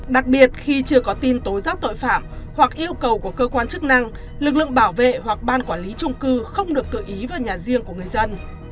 đặc biệt khi chưa có tin tố giác tội phạm hoặc yêu cầu của cơ quan chức năng lực lượng bảo vệ hoặc ban quản lý trung cư không được tự ý vào nhà riêng của người dân